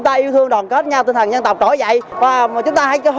và hôm nay cũng là một ngày lịch sử